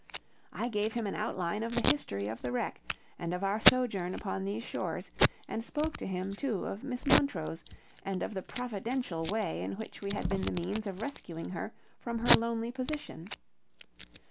I gave him an outline of the history of the wreck, and of our sojourn upon these shores, and spoke to him, too, of Miss Montrose, and of the providential way in which we had been the means of rescuing her from her lonely position.